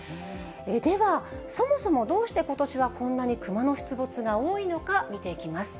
では、そもそもどうして、ことしはこんなにクマの出没が多いのか見ていきます。